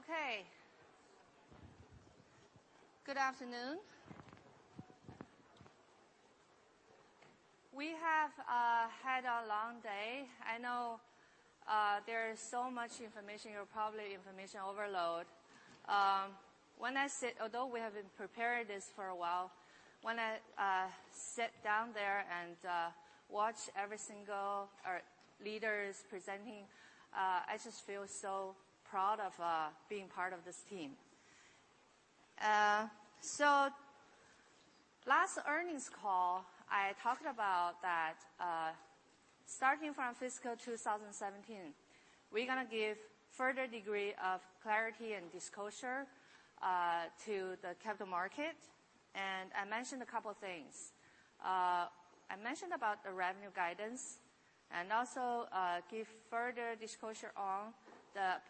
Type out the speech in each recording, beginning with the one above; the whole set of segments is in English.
Okay. Good afternoon. We have had a long day. I know, there is so much information, you're probably information overload. Although we have been prepared this for a while, when I sit down there and watch every single leaders presenting, I just feel so proud of being part of this team. Last earnings call, I talked about that starting from fiscal 2017, we're gonna give further degree of clarity and disclosure to the capital market. I mentioned a couple things. I mentioned about the revenue guidance and also give further disclosure on the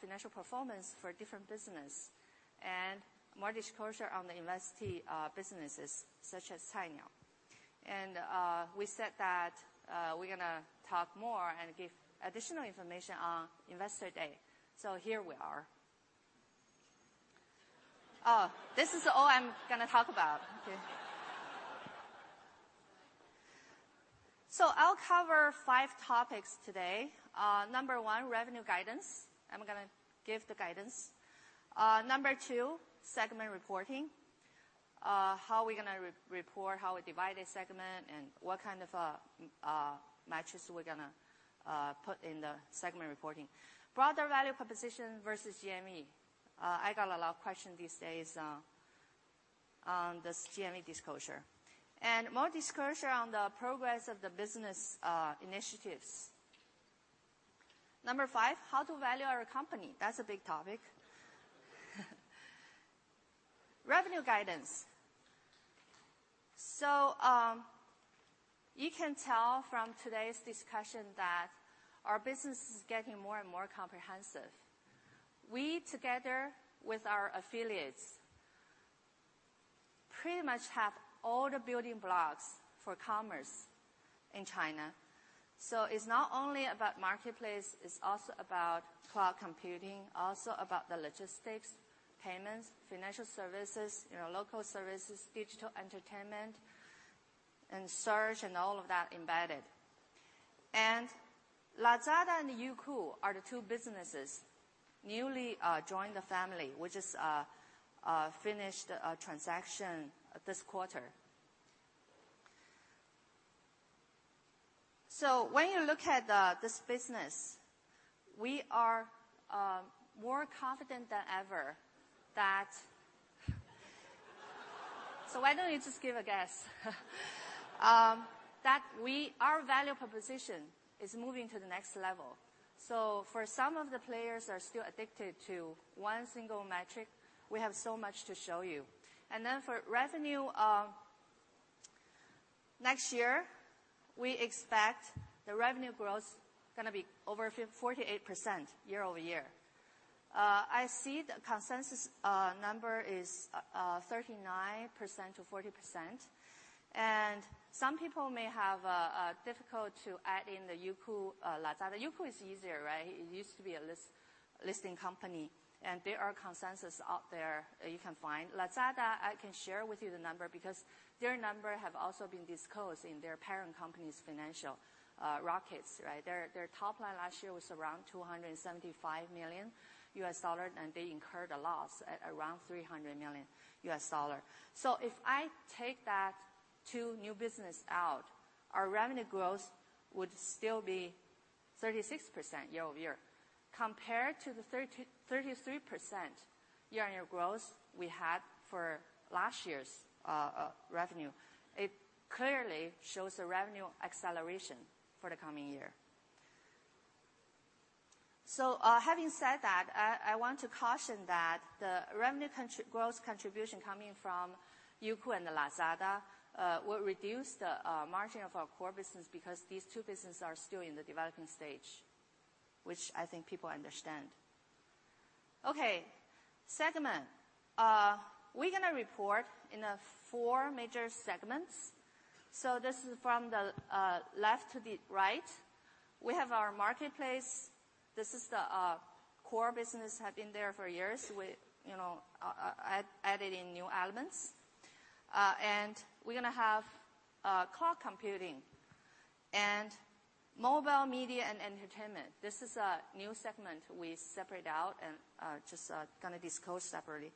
financial performance for different business and more disclosure on the investee businesses such as Cainiao. We said that we're gonna talk more and give additional information on Investor Day. Here we are. This is all I'm gonna talk about. Okay. I'll cover five topics today. Number one, revenue guidance. I'm gonna give the guidance. Number two, segment reporting. How we're gonna re-report, how we divide a segment, and what kind of metrics we're gonna put in the segment reporting. Broader value proposition versus GMV. I got a lot of question these days on this GMV disclosure. More disclosure on the progress of the business initiatives. Number five, how to value our company. That's a big topic. Revenue guidance. You can tell from today's discussion that our business is getting more and more comprehensive. We, together with our affiliates, pretty much have all the building blocks for commerce in Cainiao. It's not only about marketplace, it's also about cloud computing, also about the logistics, payments, financial services, you know, local services, digital entertainment, and search, and all of that embedded. Lazada and Youku are the two businesses newly joined the family. We just finished a transaction this quarter. When you look at this business, we are more confident than ever that our value proposition is moving to the next level. For some of the players that are still addicted to one single metric, we have so much to show you. For revenue, next year, we expect the revenue growth going to be over 48% year-over-year. I see the consensus number is 39%-40%. Some people may have difficult to add in the Youku, Lazada. Youku is easier, right? It used to be a list-listing company, and there are consensus out there that you can find. Lazada, I can share with you the number because their number have also been disclosed in their parent company's financial reports, right? Their top line last year was around $275 million, and they incurred a loss at around $300 million. If I take that two new business out, our revenue growth would still be 36% year-over-year. Compared to the 33% year-on-year growth we had for last year's revenue, it clearly shows a revenue acceleration for the coming year. Having said that, I want to caution that the revenue growth contribution coming from Youku and Lazada will reduce the margin of our core business because these two business are still in the developing stage, which I think people understand. Okay. Segment. We're gonna report in a four major segments. This is from the left to the right. We have our marketplace. This is the core business, have been there for years. We, you know, adding new elements. And we're gonna have Cloud Computing and mobile media and entertainment. This is a new segment we separate out and just gonna disclose separately.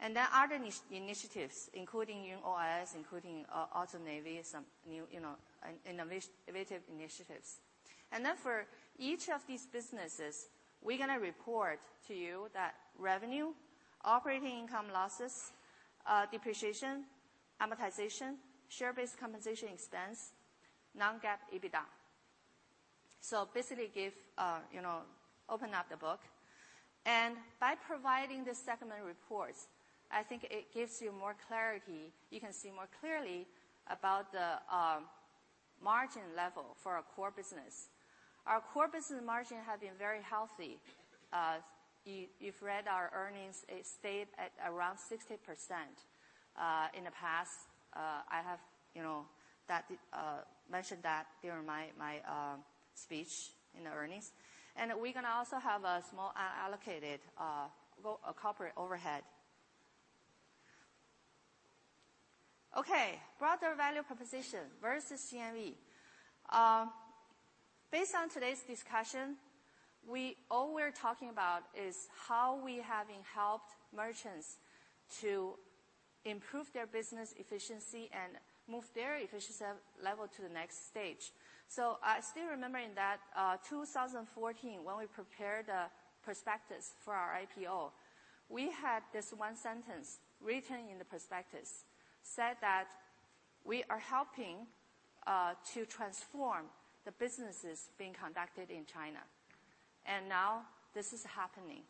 And there are other initiatives, including YunOS, including AutoNavi, some new, you know, innovative initiatives. For each of these businesses, we're going to report to you that revenue, operating income losses, depreciation, amortization, share-based compensation expense, non-GAAP EBITDA. Basically give, you know, open up the book. By providing the segment reports, I think it gives you more clarity. You can see more clearly about the margin level for our Core Business. Our Core Business margin have been very healthy. You've read our earnings, it stayed at around 60%. In the past, I have, you know, that mentioned that during my speech in the earnings. We're going to also have a small unallocated corporate overhead. Okay. Broader value proposition versus GMV. Based on today's discussion, all we're talking about is how we having helped merchants to improve their business efficiency and move their efficiency level to the next stage. I still remember in that 2014, when we prepared the prospectus for our IPO, we had this one sentence written in the prospectus, said that we are helping to transform the businesses being conducted in China, and now this is happening.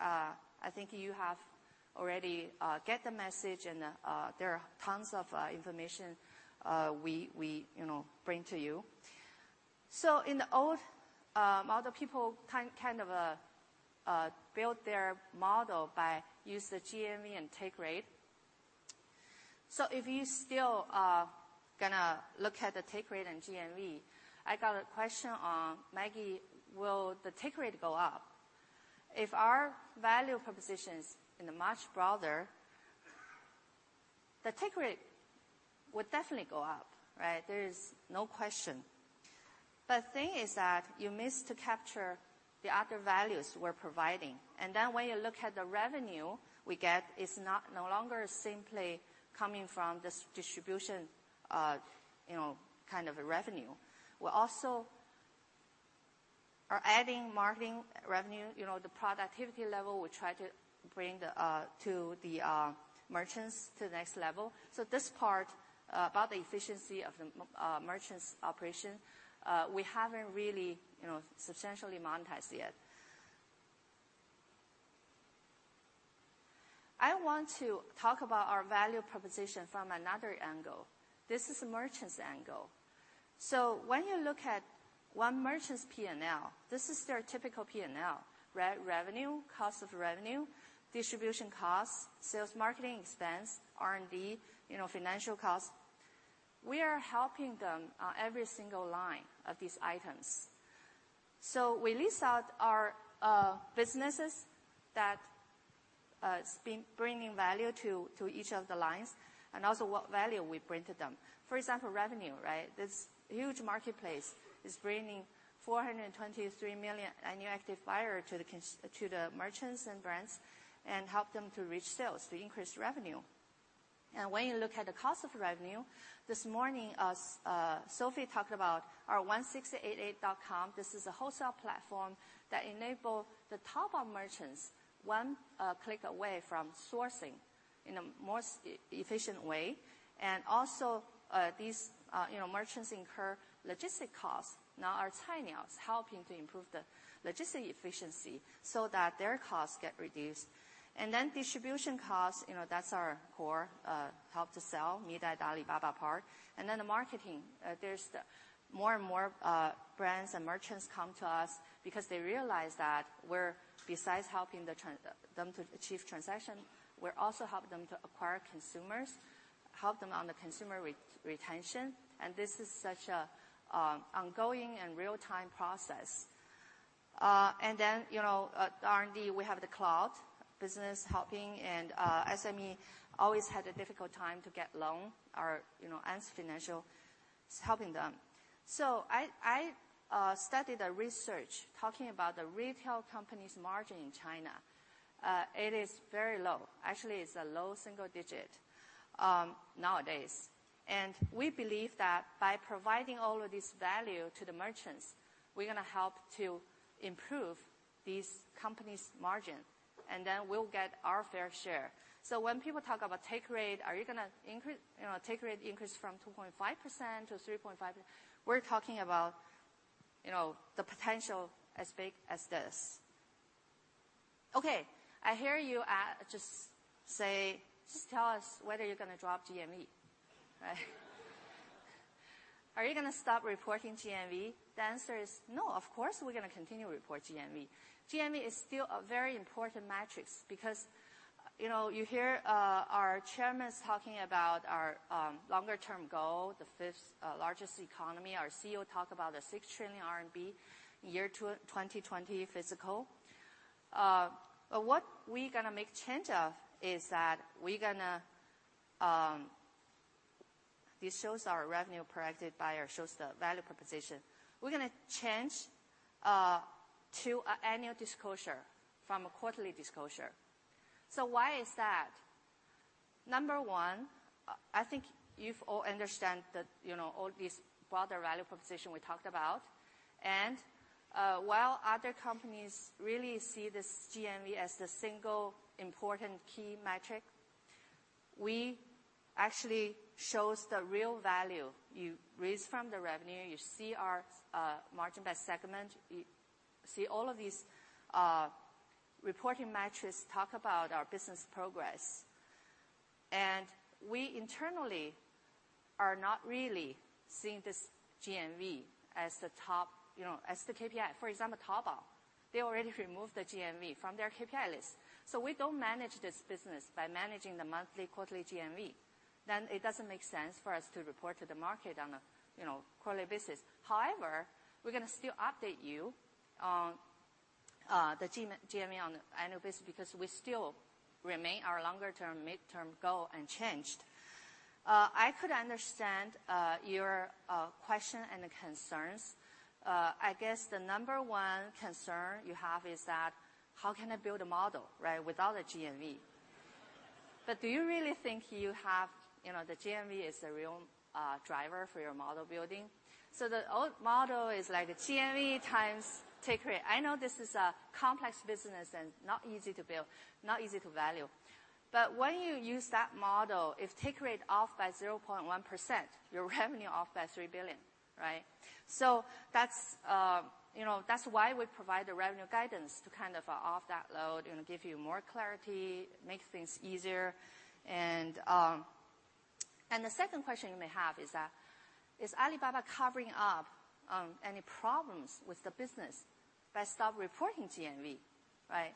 I think you have already get the message and there are tons of information, we, you know, bring to you. In the old model, people kind of built their model by use the GMV and take rate. If you still gonna look at the take rate and GMV, I got a question on Maggie, will the take rate go up? If our value propositions in the much broader, the take rate would definitely go up, right? There is no question. The thing is that you missed to capture the other values we're providing, and then when you look at the revenue we get, it's no longer simply coming from this distribution, you know, kind of a revenue. We're also are adding marketing revenue. You know, the productivity level, we try to bring the to the merchants to the next level. This part about the efficiency of the merchants' operation, we haven't really, you know, substantially monetized yet. I want to talk about our value proposition from another angle. This is a merchant's angle. When you look at one merchant's P&L, this is their typical P&L. Revenue, cost of revenue, distribution costs, sales, marketing expense, R&D, you know, financial costs. We are helping them on every single line of these items. We lease out our businesses that bringing value to each of the lines and also what value we bring to them. For example, revenue, right? This huge marketplace is bringing 423 million annual active buyer to the merchants and brands and help them to reach sales, to increase revenue. When you look at the cost of revenue, this morning, Sophie talked about our 1688.com. This is a wholesale platform that enable the top of merchants one click away from sourcing in a more efficient way. These, you know, merchants incur logistic costs. Our Cainiao is helping to improve the logistic efficiency so that their costs get reduced. Distribution costs, you know, that's our core help to sell, [inaudible] Alibaba part. The marketing. More and more brands and merchants come to us because they realize that we're, besides helping them to achieve transaction, we're also help them to acquire consumers, help them on the consumer retention, and this is such an ongoing and real-time process. You know, at R&D, we have the cloud business helping and SME always had a difficult time to get loan. Our, you know, Ant Financial is helping them. I studied a research talking about the retail company's margin in China. It is very low. Actually, it's a low single digit nowadays. We believe that by providing all of this value to the merchants, we're gonna help to improve these companies' margin, and then we'll get our fair share. When people talk about take rate, are you going to increase, you know, take rate increase from 2.5%-3.5%? We're talking about, you know, the potential as big as this. Okay. I hear you just say, just tell us whether you're going to drop GMV. Right? Are you going to stop reporting GMV? The answer is no, of course, we're going to continue to report GMV. GMV is still a very important metrics because, you know, you hear our chairman's talking about our longer term goal, the fifth largest economy. Our CEO talk about the CNY 6 trillion 2020 fiscal. This shows our revenue projected by or shows the value proposition. We're going to change to a annual disclosure from a quarterly disclosure. Why is that? Number one, I think you've all understand that, you know, all these broader value proposition we talked about. While other companies really see this GMV as the single important key metric, we actually shows the real value. You raise from the revenue, you see our margin by segment. You see all of these reporting metrics talk about our business progress. We internally are not really seeing this GMV as the top, you know, as the KPI. For example, Taobao, they already removed the GMV from their KPI list. We don't manage this business by managing the monthly, quarterly GMV. It doesn't make sense for us to report to the market on a, you know, quarterly basis. However, we're gonna still update you on the GMV on the annual basis because we still remain our longer-term, midterm goal unchanged. I could understand your question and concerns. I guess the number one concern you have is that how can I build a model, right, without a GMV? Do you really think you have, you know, the GMV is the real driver for your model building? The old model is like a GMV times take rate. I know this is a complex business and not easy to build, not easy to value. When you use that model, if take rate off by 0.1%, your revenue off by 3 billion, right? That's, you know, that's why we provide the revenue guidance to kind of off that load and give you more clarity, make things easier. The second question you may have is that, is Alibaba covering up any problems with the business by stop reporting GMV, right?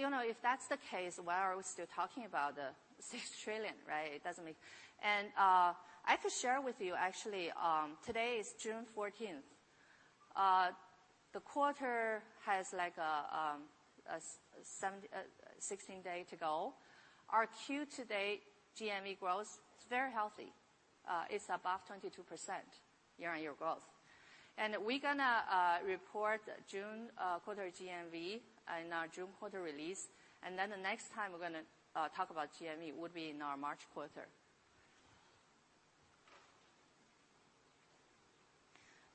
You know, if that's the case, why are we still talking about the 6 trillion, right? I could share with you actually, today is June 14th. The quarter has like a 16-day to go. Our Q to date GMV growth is very healthy. It's above 22% year-on-year growth. We're gonna report June quarter GMV in our June quarter release. The next time we're gonna talk about GMV would be in our March quarter.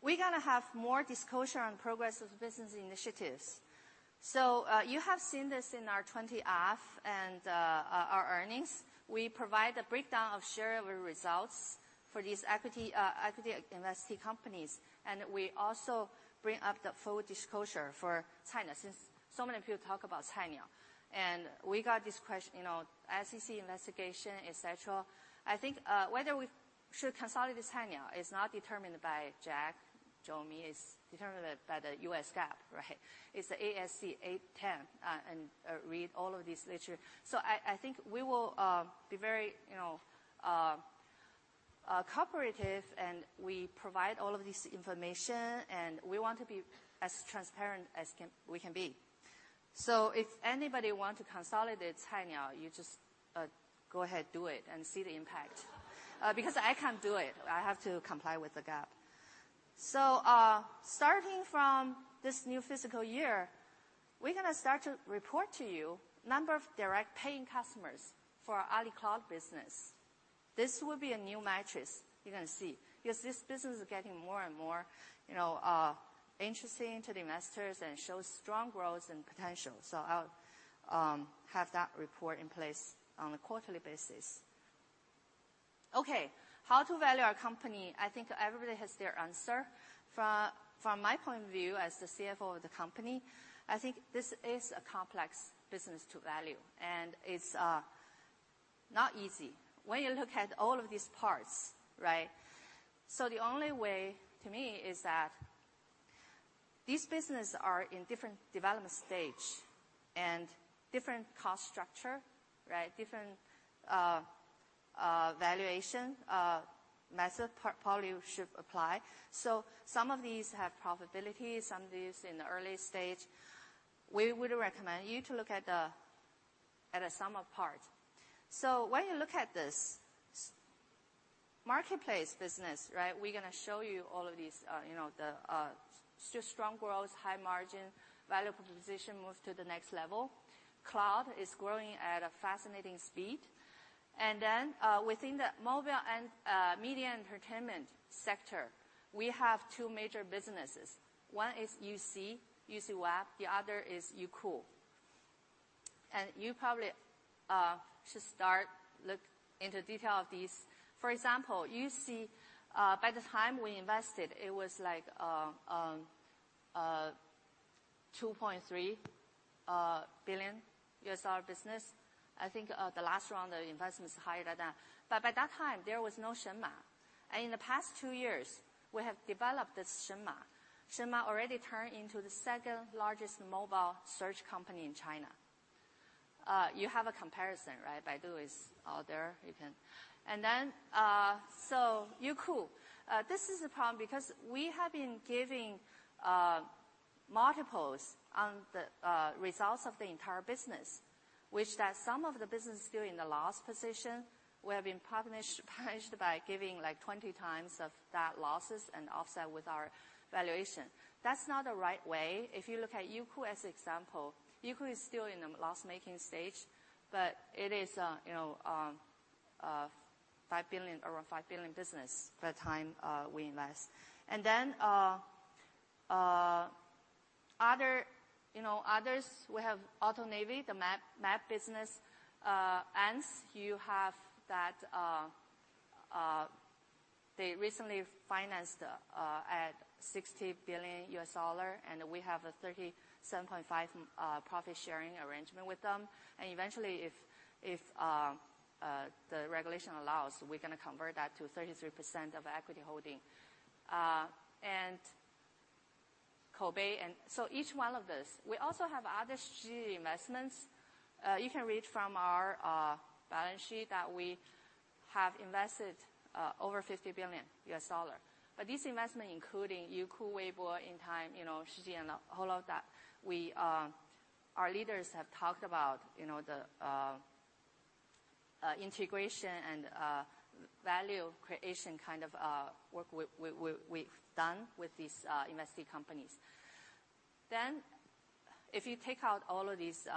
We're gonna have more disclosure on progress with business initiatives. You have seen this in our 20-F and our earnings. We provide a breakdown of shareable results for these equity invested companies. We also bring up the full disclosure for China, since so many people talk about China. We got this, you know, SEC investigation, et cetera. I think whether we should consolidate China is not determined by Jack, Joey. It's determined by the U.S. GAAP, right? It's the ASC 810, and read all of these literature. I think we will be very, you know, cooperative, we provide all of this information, we want to be as transparent as we can be. If anybody want to consolidate China, you just go ahead, do it and see the impact. Because I can't do it. I have to comply with the GAAP. Starting from this new fiscal year, we're gonna start to report to you number of direct paying customers for our AliCloud business. This will be a new metrics you're gonna see because this business is getting more and more, you know, interesting to the investors and shows strong growth and potential. I'll have that report in place on a quarterly basis. Okay. How to value our company? I think everybody has their answer. From my point of view as the CFO of the company, I think this is a complex business to value, and it's not easy when you look at all of these parts, right? The only way to me is that these business are in different development stage and different cost structure, right? Different valuation method probably should apply. Some of these have profitability, some of these in the early stage. We would recommend you to look at the sum-of-the-parts. When you look at this marketplace business, right? We're gonna show you all of these, strong growth, high margin, value proposition moves to the next level. Cloud is growing at a fascinating speed. Within the mobile and media entertainment sector, we have two major businesses. One is UCWeb, the other is Youku. You probably should start look into detail of these. For example, UCWeb, by the time we invested, it was like $2.3 billion business. I think the last round of investment is higher than that. By that time, there was no Shenma. In the past two years, we have developed this Shenma. Shenma already turned into the second-largest mobile search company in China. You have a comparison, right? Baidu is there. Then, so Youku. This is a problem because we have been giving multiples on the results of the entire business, which that some of the business still in the last position, we have been punished by giving like 20 times of that losses and offset with our valuation. That's not the right way. If you look at Youku as example, Youku is still in a loss-making stage, but it is, you know, 5 billion, around 5 billion business by the time we invest. Then, other, you know, others, we have AutoNavi, the map business. Ant Financial, you have that, They recently financed at $60 billion, and we have a 37.5% profit-sharing arrangement with them. Eventually, if the regulation allows, we're gonna convert that to 33% of equity holding. Koubei each one of those. We also have other strategic investments. You can read from our balance sheet that we have invested over $50 billion. This investment including Youku, Weibo, Intime Retail, you know, Shiji and all of that, we've our leaders have talked about, you know, the integration and value creation kind of work we've done with these invested companies. If you take out all of these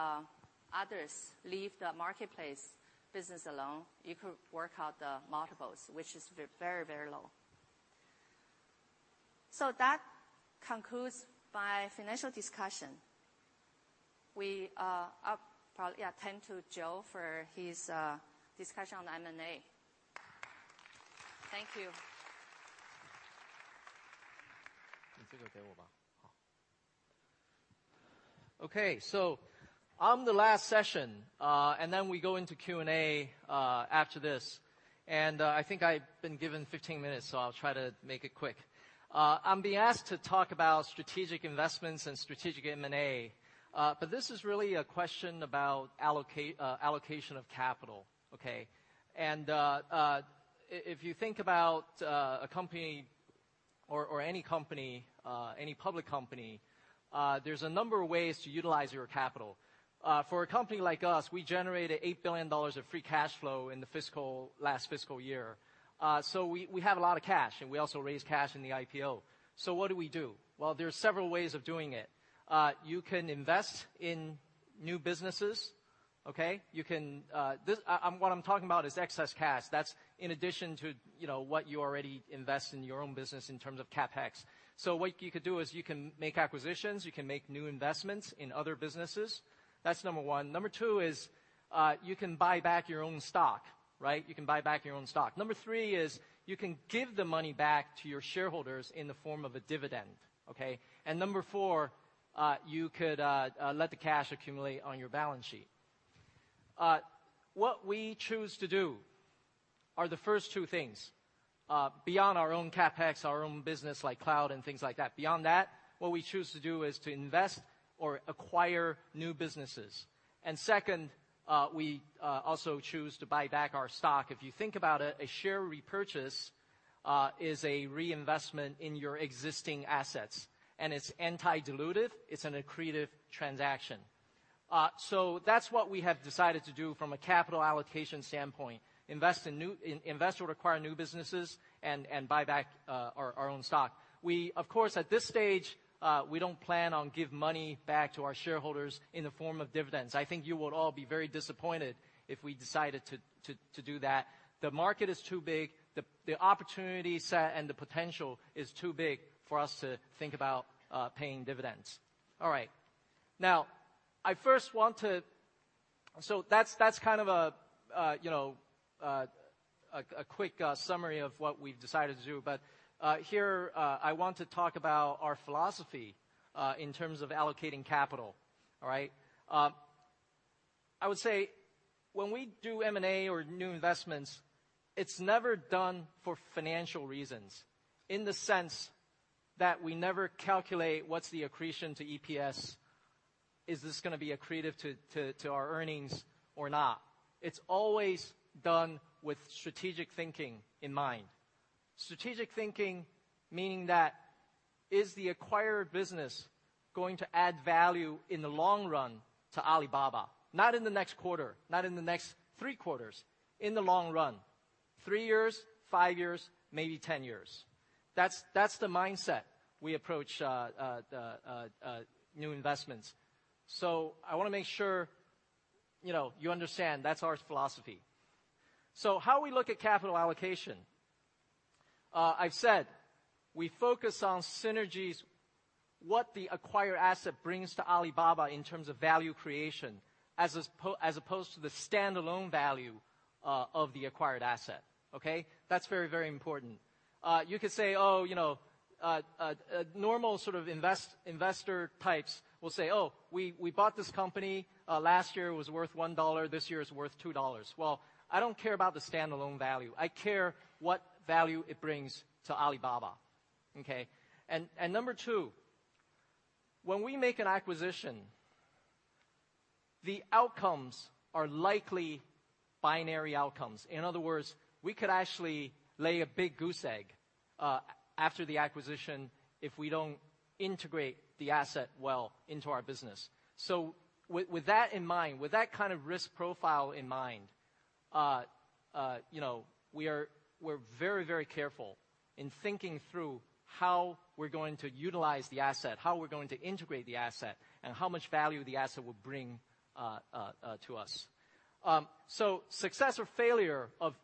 others, leave the marketplace business alone, you could work out the multiples, which is very low. That concludes my financial discussion. We, I'll probably, yeah, turn to Joseph Tsai for his discussion on M&A. Thank you. Okay. I'm the last session, and then we go into Q&A after this. I think I've been given 15 minutes, so I'll try to make it quick. I'm being asked to talk about strategic investments and strategic M&A. This is really a question about allocation of capital. Okay. If you think about a company or any company, any public company, there's a number of ways to utilize your capital. For a company like us, we generated $8 billion of free cash flow in the fiscal last fiscal year. We have a lot of cash, and we also raised cash in the IPO. What do we do? Well, there are several ways of doing it. You can invest in new businesses. Okay. You can, what I'm talking about is excess cash. That's in addition to, you know, what you already invest in your own business in terms of CapEx. What you could do is you can make acquisitions, you can make new investments in other businesses. That's number one. Number two is, you can buy back your own stock. Right? You can buy back your own stock. Number three is you can give the money back to your shareholders in the form of a dividend. Okay? Number four, you could let the cash accumulate on your balance sheet. What we choose to do are the first two things, beyond our own CapEx, our own business like Cloud and things like that. Beyond that, what we choose to do is to invest or acquire new businesses. Second, we also choose to buy back our stock. If you think about it, a share repurchase is a reinvestment in your existing assets, and it's anti-dilutive, it's an accretive transaction. That's what we have decided to do from a capital allocation standpoint, invest in new businesses and buy back our own stock. We, of course, at this stage, we don't plan on give money back to our shareholders in the form of dividends. I think you would all be very disappointed if we decided to do that. The market is too big. The opportunity set and the potential is too big for us to think about paying dividends. All right. That's kind of a, you know, a quick summary of what we've decided to do. Here, I want to talk about our philosophy in terms of allocating capital. All right? I would say when we do M&A or new investments, it's never done for financial reasons, in the sense that we never calculate what's the accretion to EPS. Is this gonna be accretive to our earnings or not? It's always done with strategic thinking in mind. Strategic thinking meaning that, is the acquired business going to add value in the long run to Alibaba? Not in the next quarter, not in the next three quarters, in the long run. Three years, five years, maybe 10 years. That's the mindset we approach the new investments. I wanna make sure, you know, you understand that's our philosophy. How we look at capital allocation? I've said we focus on synergies, what the acquired asset brings to Alibaba in terms of value creation, as opposed to the standalone value of the acquired asset. Okay? That's very important. You could say, oh, you know, a normal sort of investor types will say, "Oh, we bought this company. Last year it was worth $1. This year it's worth $2." I don't care about the standalone value. I care what value it brings to Alibaba. Okay? Number two, when we make an acquisition, the outcomes are likely binary outcomes. In other words, we could actually lay a big goose egg after the acquisition if we don't integrate the asset well into our business. With that in mind, with that kind of risk profile in mind, you know, we're very, very careful in thinking through how we're going to utilize the asset, how we're going to integrate the asset, and how much value the asset will bring to us. Success or failure of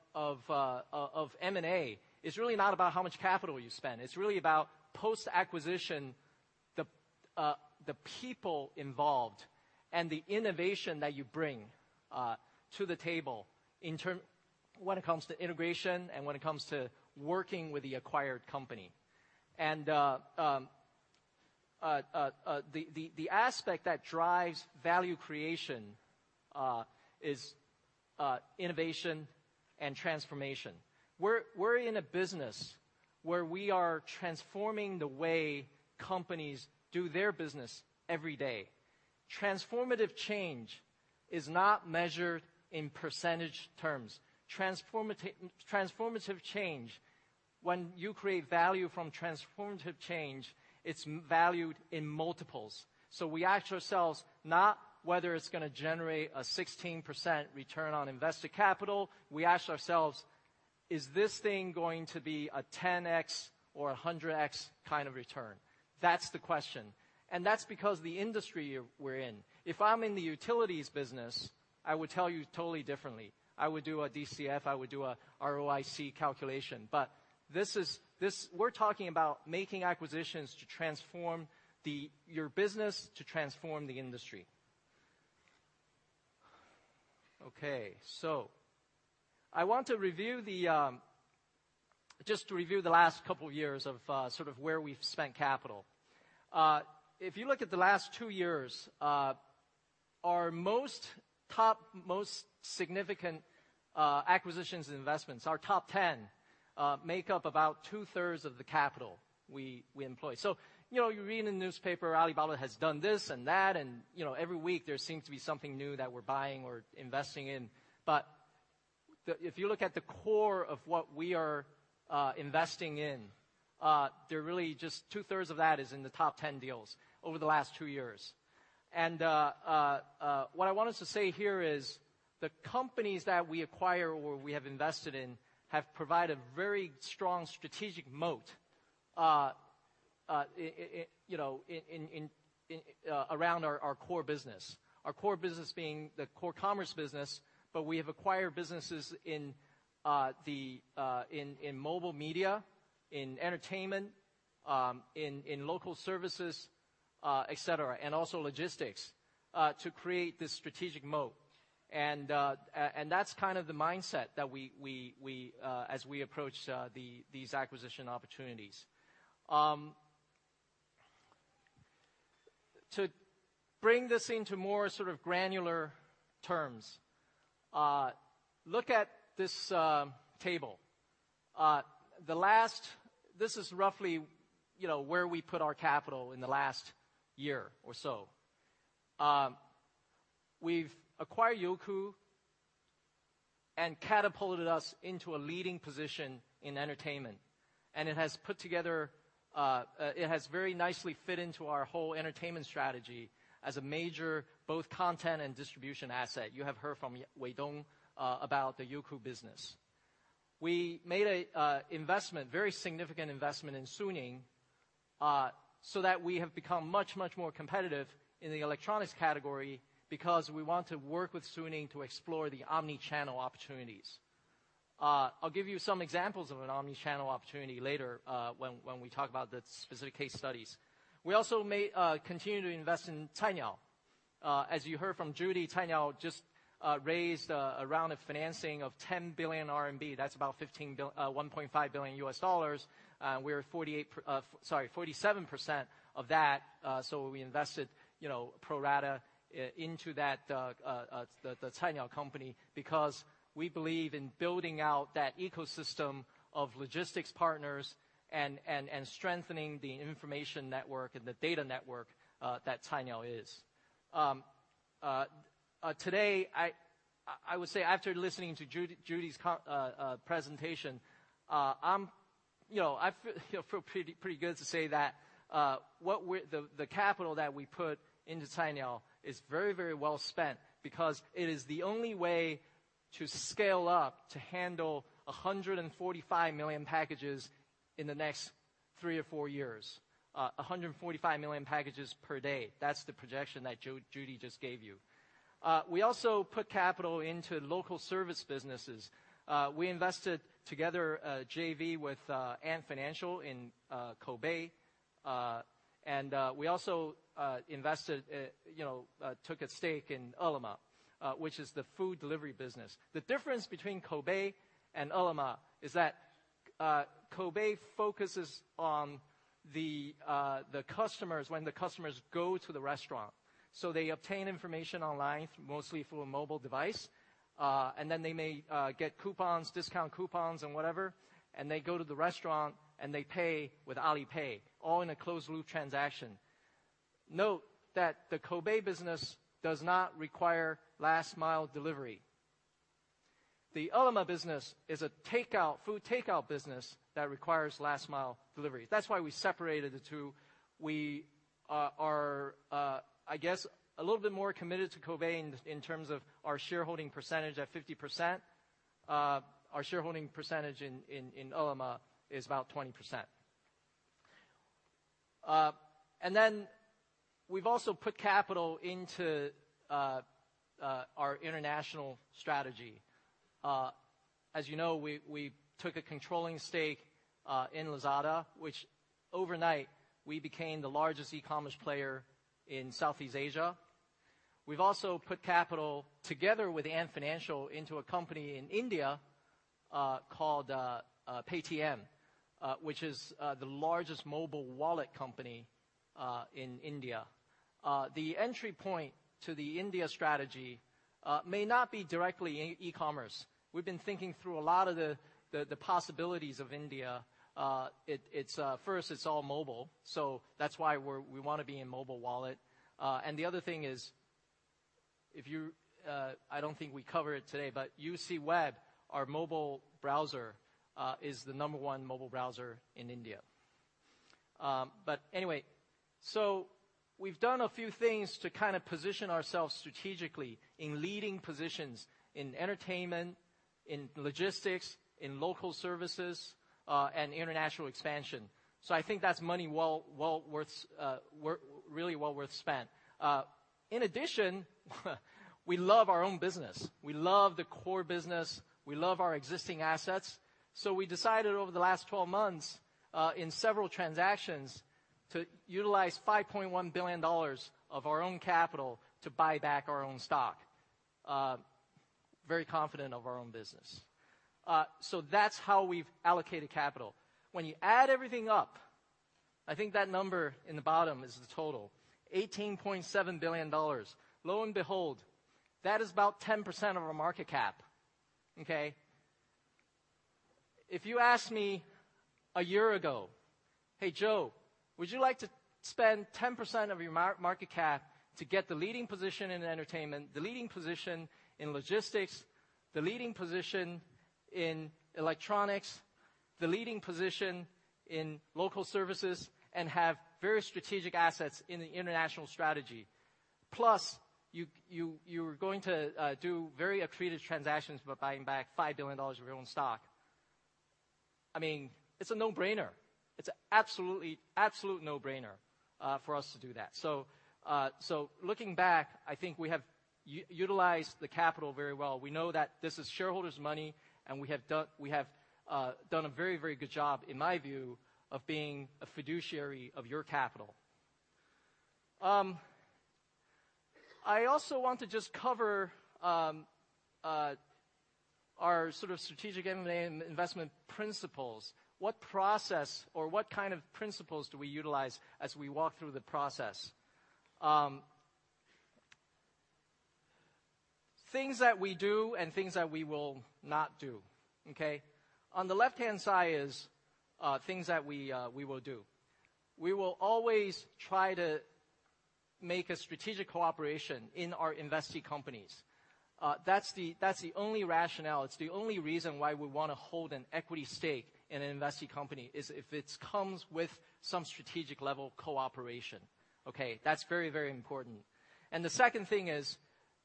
M&A is really not about how much capital you spend. It's really about post-acquisition, the people involved and the innovation that you bring to the table when it comes to integration and when it comes to working with the acquired company. The aspect that drives value creation is innovation and transformation. We're in a business where we are transforming the way companies do their business every day. Transformative change is not measured in percentage terms. Transformative change, when you create value from transformative change, it's valued in multiples. We ask ourselves not whether it's gonna generate a 16% return on invested capital. We ask ourselves, "Is this thing going to be a 10 x or a 100 x kind of return?" That's the question. That's because the industry we're in. If I'm in the utilities business, I would tell you totally differently. I would do a DCF. I would do a ROIC calculation. We're talking about making acquisitions to transform your business, to transform the industry. Okay. I want to review the, just to review the last couple years of sort of where we've spent capital. If you look at the last two years, our most top, most significant acquisitions and investments, our top 10, make up about two-thirds of the capital we employ. You know, you read in the newspaper, Alibaba has done this and that, and, you know, every week there seems to be something new that we're buying or investing in. If you look at the core of what we are investing in, they're really just 2/3 of that is in the top 10 deals over the last two years. What I wanted to say here is the companies that we acquire or we have invested in have provided very strong strategic moat, you know, around our core business. Our core business being the core commerce business, we have acquired businesses in mobile media, in entertainment, in local services, et cetera, and also logistics to create this strategic moat. That's kind of the mindset that we approach these acquisition opportunities. To bring this into more sort of granular terms, look at this table. This is roughly, you know, where we put our capital in the last year or so. We've acquired Youku and catapulted us into a leading position in entertainment, and it has very nicely fit into our whole entertainment strategy as a major both content and distribution asset. You have heard from Weidong about the Youku business. We made a very significant investment in Suning so that we have become much more competitive in the electronics category because we want to work with Suning to explore the omni-channel opportunities. I'll give you some examples of an omni-channel opportunity later when we talk about the specific case studies. We also continue to invest in Cainiao. As you heard from Judy, Cainiao just raised a round of financing of 10 billion RMB. That's about $1.5 billion. We are 48%, sorry, 47% of that. We invested, you know, pro rata, into that, the Cainiao company because we believe in building out that ecosystem of logistics partners and strengthening the information network and the data network that Cainiao is. Today, I would say after listening to Judy's presentation, I'm, you know, I feel pretty good to say that what the capital that we put into Cainiao is very, very well spent because it is the only way to scale up to handle 145 million packages in the next three or four years. 145 million packages per day. That's the projection that Judy just gave you. We also put capital into local service businesses. We invested together a JV with Ant Financial in Koubei, and we also invested, you know, took a stake in Ele.me, which is the food delivery business. The difference between Koubei and Ele.me is that Koubei focuses on the customers when the customers go to the restaurant. They obtain information online, mostly through a mobile device, and then they may get coupons, discount coupons and whatever, and they go to the restaurant, and they pay with Alipay, all in a closed loop transaction. Note that the Koubei business does not require last mile delivery. The Ele.me business is a takeout, food takeout business that requires last mile delivery. That's why we separated the two. We are, I guess, a little bit more committed to Koubei in terms of our shareholding percentage at 50%. Our shareholding percentage in Ele.me is about 20%. We've also put capital into our international strategy. As you know, we took a controlling stake in Lazada, which overnight we became the largest e-commerce player in Southeast Asia. We've also put capital together with Ant Financial into a company in India, called Paytm, which is the largest mobile wallet company in India. The entry point to the India strategy may not be directly in e-commerce. We've been thinking through a lot of the possibilities of India. It's, first it's all mobile, so that's why we wanna be in mobile wallet. The other thing is, if you, I don't think we covered it today, but UCWeb, our mobile browser, is the number one mobile browser in India. Anyway, we've done a few things to kind of position ourselves strategically in leading positions in entertainment, in logistics, in local services, and international expansion. I think that's money well worth, really well worth spent. In addition, we love our own business. We love the core business. We love our existing assets. We decided over the last 12 months, in several transactions to utilize $5.1 billion of our own capital to buy back our own stock. Very confident of our own business. That's how we've allocated capital. When you add everything up, I think that number in the bottom is the total, $18.7 billion. Lo and behold, that is about 10% of our market cap. Okay? If you asked me a year ago, "Hey, Joe, would you like to spend 10% of your market cap to get the leading position in entertainment, the leading position in logistics, the leading position in electronics, the leading position in local services, and have very strategic assets in the international strategy?" Plus, you're going to do very accretive transactions by buying back $5 billion of your own stock. I mean, it's a no-brainer. It's a absolute no-brainer for us to do that. Looking back, I think we have utilized the capital very well. We know that this is shareholders' money, and we have done a very, very good job, in my view, of being a fiduciary of your capital. I also want to just cover our sort of strategic M&A investment principles. What process or what kind of principles do we utilize as we walk through the process? Things that we do and things that we will not do, okay? On the left-hand side is things that we will do. We will always try to make a strategic cooperation in our investee companies. That's the only rationale. It's the only reason why we wanna hold an equity stake in an investee company is if it's comes with some strategic level cooperation. Okay. That's very, very important. The second thing is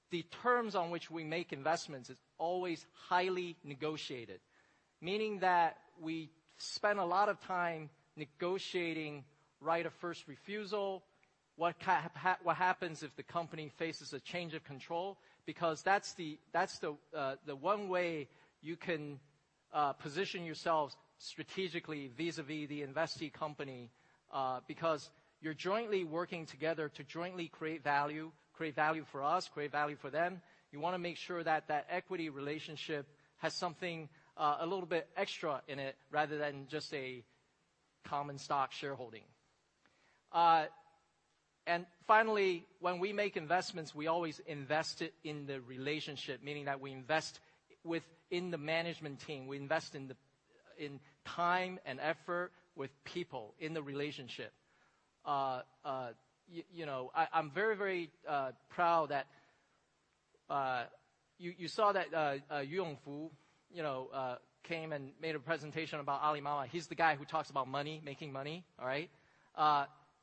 the terms on which we make investments is always highly negotiated, meaning that we spend a lot of time negotiating right of first refusal, what happens if the company faces a change of control, because that's the one way you can position yourselves strategically vis-a-vis the investee company. Because you're jointly working together to jointly create value, create value for us, create value for them. You wanna make sure that that equity relationship has something a little bit extra in it rather than just a common stock shareholding. Finally, when we make investments, we always invest it in the relationship, meaning that we invest within the management team. We invest in time and effort with people in the relationship. You know, I'm very, very proud that you saw that Yongfu, you know, came and made a presentation about Alibaba. He's the guy who talks about money, making money, all right?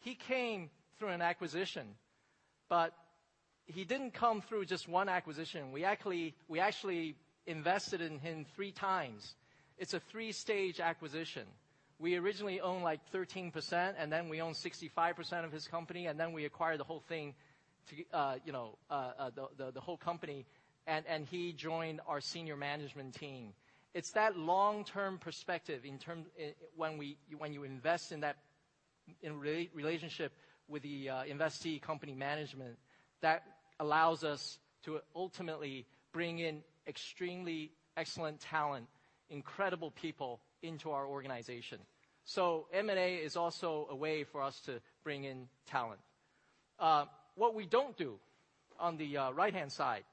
He came through an acquisition, but he didn't come through just one acquisition. We actually invested in him three times. It's a three-stage acquisition. We originally owned, like, 13%, and then we owned 65% of his company, and then we acquired the whole thing to, you know, the whole company, and he joined our senior management team. It's that long-term perspective in term when we, when you invest in that, relationship with the investee company management that allows us to ultimately bring in extremely excellent talent, incredible people into our organization. M&A is also a way for us to bring in talent. What we don't do on the right-hand side.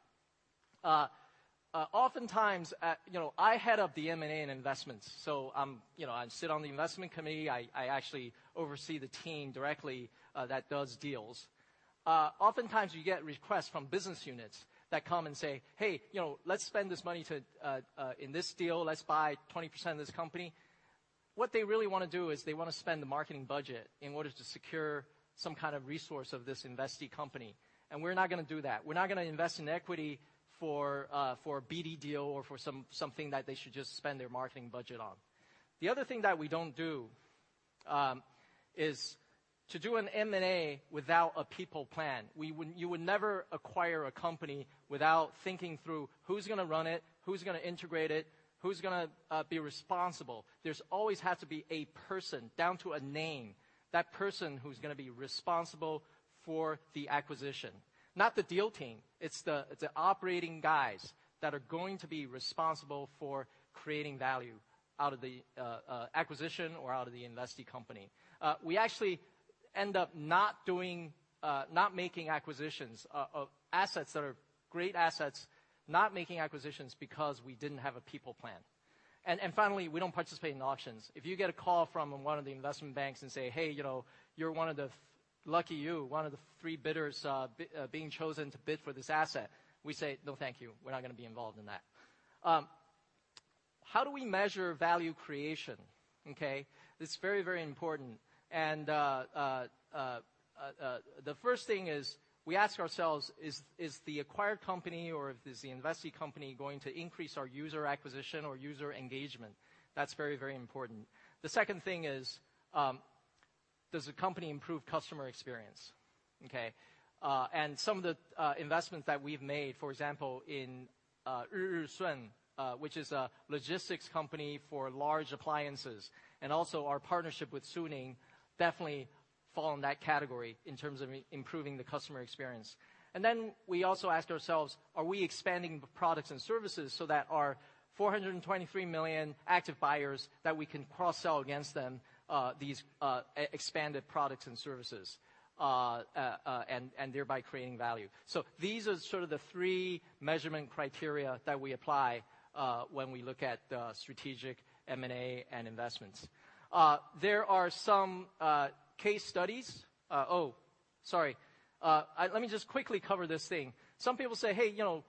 Oftentimes, you know, I head up the M&A and investments, you know, I sit on the investment committee. I actually oversee the team directly that does deals. Oftentimes we get requests from business units that come and say, "Hey, you know, let's spend this money in this deal. Let's buy 20% of this company." What they really wanna do is they wanna spend the marketing budget in order to secure some kind of resource of this investee company, we're not gonna do that. We're not gonna invest in equity for for a BD deal or for something that they should just spend their marketing budget on. The other thing that we don't do is to do an M&A without a people plan. You would never acquire a company without thinking through who's gonna run it, who's gonna integrate it, who's gonna be responsible. There's always has to be a person, down to a name, that person who's gonna be responsible for the acquisition. Not the deal team, it's the operating guys that are going to be responsible for creating value out of the acquisition or out of the investee company. We actually end up not doing, not making acquisitions, of assets that are great assets, not making acquisitions because we didn't have a people plan. Finally, we don't participate in auctions. If you get a call from one of the investment banks and say, "Hey, you're one of the three bidders being chosen to bid for this asset," we say, "No, thank you. We're not gonna be involved in that." How do we measure value creation? It's very, very important. The first thing is we ask ourselves, "Is the acquired company or is the investee company going to increase our user acquisition or user engagement?" That's very, very important. The second thing is, does the company improve customer experience? Some of the investments that we've made, for example, in Ririshun, which is a logistics company for large appliances, and also our partnership with Suning, definitely fall in that category in terms of improving the customer experience. We also ask ourselves, "Are we expanding products and services so that our 423 million active buyers that we can cross-sell against them, these expanded products and services, and thereby creating value?" These are sort of the three measurement criteria that we apply when we look at strategic M&A and investments. There are some case studies. Oh, sorry. Let me just quickly cover this thing. Some people say, "Hey, you know,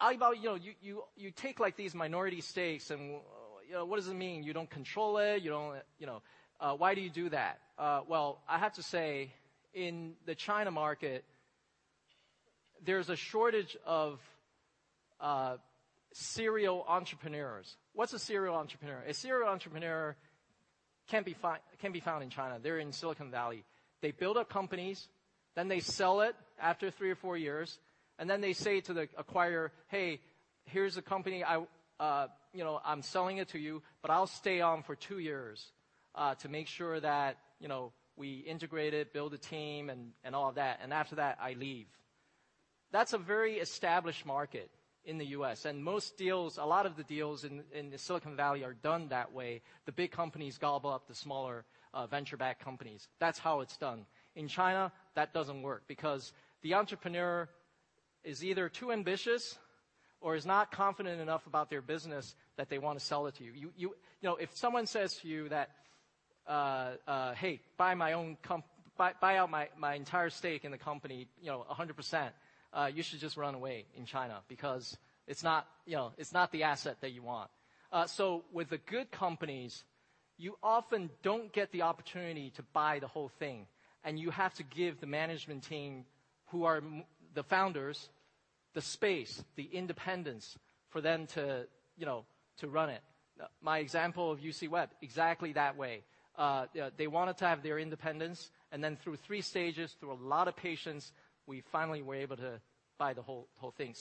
Alibaba, you know, you take, like, these minority stakes and, you know, what does it mean? You don't control it. You don't, you know, why do you do that? Well, I have to say, in the China market, there's a shortage of serial entrepreneurs. What's a serial entrepreneur? A serial entrepreneur can't be found in China. They're in Silicon Valley. They build up companies, then they sell it after three or four years, and then they say to the acquirer, "Hey, here's a company I, you know, I'm selling it to you, but I'll stay on for two years to make sure that, you know, we integrate it, build a team, and all that." After that, I leave. That's a very established market in the U.S., and most deals, a lot of the deals in the Silicon Valley are done that way. The big companies gobble up the smaller, venture-backed companies. That's how it's done. In China, that doesn't work because the entrepreneur is either too ambitious or is not confident enough about their business that they wanna sell it to you. You know, if someone says to you that, "Hey, buy out my entire stake in the company, you know, a hundred percent," you should just run away in China because it's not, you know, it's not the asset that you want. With the good companies, you often don't get the opportunity to buy the whole thing, and you have to give the management team, who are the founders, the space, the independence for them to, you know, to run it. My example of UCWeb, exactly that way. They wanted to have their independence, through three stages, through a lot of patience, we finally were able to buy the whole thing.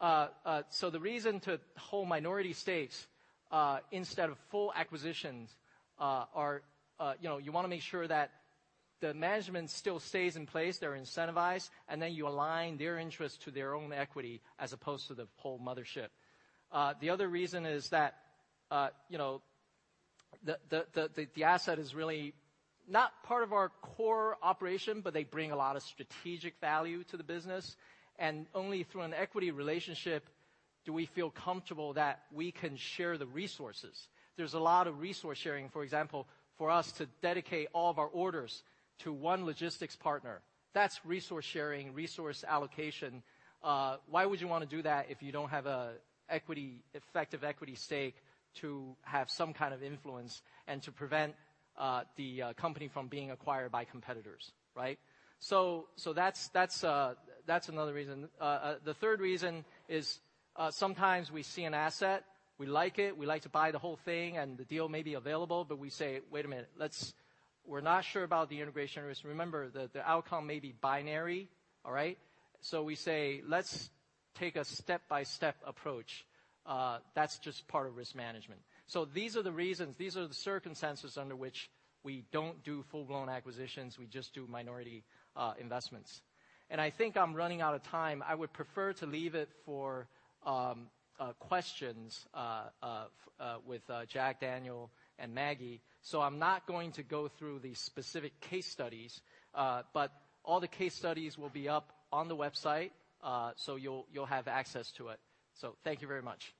The reason to hold minority stakes instead of full acquisitions are, you know, you wanna make sure that the management still stays in place, they're incentivized, and then you align their interests to their own equity as opposed to the whole mothership. The other reason is that, you know, the asset is really not part of our core operation, but they bring a lot of strategic value to the business. Only through an equity relationship do we feel comfortable that we can share the resources. There's a lot of resource sharing, for example, for us to dedicate all of our orders to one logistics partner. That's resource sharing, resource allocation. Why would you wanna do that if you don't have a equity, effective equity stake to have some kind of influence and to prevent the company from being acquired by competitors, right? That's another reason. The third reason is sometimes we see an asset, we like it, we like to buy the whole thing, and the deal may be available, but we say, "Wait a minute. We're not sure about the integration risk." Remember, the outcome may be binary, all right? We say, "Let's take a step-by-step approach." That's just part of risk management. These are the reasons, these are the circumstances under which we don't do full-blown acquisitions. We just do minority investments. I think I'm running out of time. I would prefer to leave it for questions with Jack, Daniel, and Maggie. I'm not going to go through the specific case studies, but all the case studies will be up on the website, so you'll have access to it. Thank you very much.